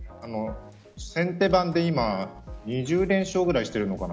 先手版で今２０連勝ぐらいしているのかな。